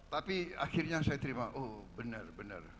tapi akhirnya saya terima oh benar benar